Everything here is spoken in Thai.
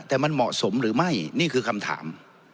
แต่มันเหมาะสมหรือไม่นี่คือคำถาม